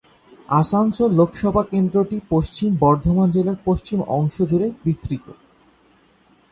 আসানসোল লোকসভা কেন্দ্রটি পশ্চিম বর্ধমান জেলার পশ্চিম অংশ জুড়ে বিস্তৃত।